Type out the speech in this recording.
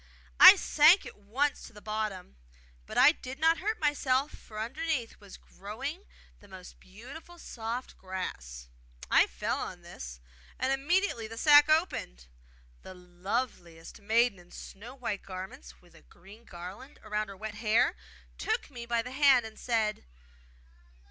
I sank at once to the bottom; but I did not hurt myself for underneath was growing the most beautiful soft grass. I fell on this, and immediately the sack opened; the loveliest maiden in snow white garments, with a green garland round her wet hair, took me by the hand, and said!